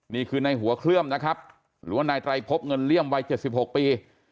นี่คือในหัวเคลื่อมนะครับหรือว่านายไตรพบเงินเลี่ยมวัย๗๖ปี